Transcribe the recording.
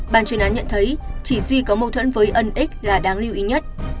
bàn truyền án nhận thấy chỉ duy có mâu thuẫn với ân x là đáng lưu ý nhất